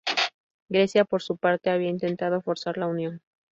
Grecia, por su parte, había intentado forzar la unión.